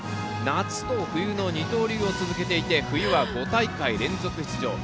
夏と冬の二刀流を続けていて冬は、５大会連続出場。